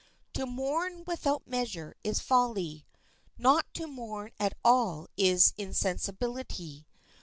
To mourn without measure is folly; not to mourn at all is insensibility.